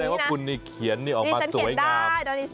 แสดงว่าคุณนี่เขียนนี่ออกมาสวยงามนี่ฉันเขียนได้